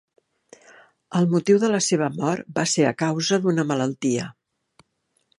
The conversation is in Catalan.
El motiu de la seva mort va ser a causa d'una malaltia.